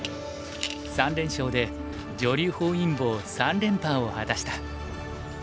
３連勝で女流本因坊三連覇を果たした。